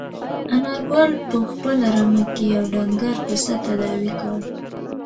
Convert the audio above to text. انارګل په خپله رمه کې یو ډنګر پسه تداوي کړ.